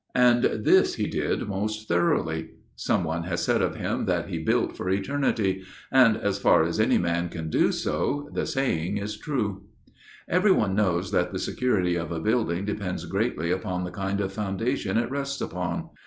And this he did most thoroughly. Someone has said of him that he 'built for eternity,' and, as far as any man can do so, the saying is true. Everyone knows that the security of a building depends greatly upon the kind of foundation it rests upon.